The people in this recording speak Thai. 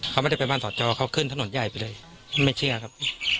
เขาไม่ได้ไปบ้านสอจอเขาขึ้นถนนใหญ่ไปเลยไม่เชื่อครับ